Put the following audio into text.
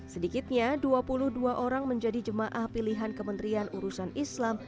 sedikitnya dua puluh dua orang menjadi jemaah pilihan kementerian urusan islam